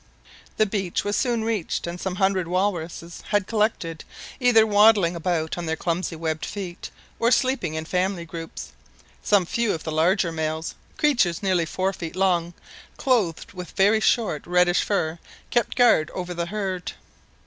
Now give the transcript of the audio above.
The beach was soon reached, and some hundred walrus had collected, either waddling about on their clumsy webbed feet, or sleeping in family groups. Some few of the larger males creatures nearly four feet long, clothed with very short reddish fur kept guard over the herd.